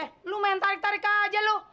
eh lu main tarik tarik aja lu